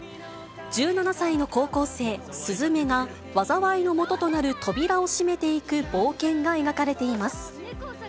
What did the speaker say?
１７歳の高校生、すずめが、災いのもととなる扉を閉めていく冒険が描かれています。